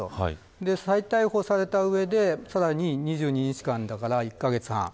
再逮捕された上で２２日間だから１カ月半。